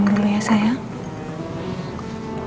minum dulu ya sayang